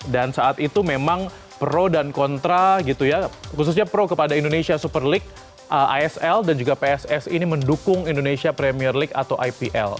dan saat itu memang pro dan kontra gitu ya khususnya pro kepada indonesia super league asl dan juga pssi ini mendukung indonesia premier league atau ipl